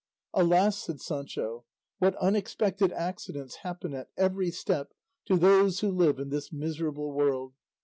"Alas," said Sancho, "what unexpected accidents happen at every step to those who live in this miserable world!